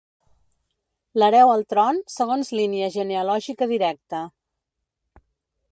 L'hereu al tron segons línia genealògica directa.